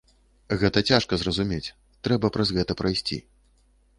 Гэта цяжка зразумець, трэба праз гэта прайсці.